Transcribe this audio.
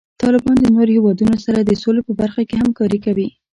طالبان د نورو هیوادونو سره د سولې په برخه کې همکاري کوي.